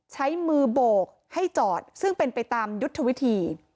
ใช้มือโบกให้จอดซึ่งเป็นไปตามยุทธวิธี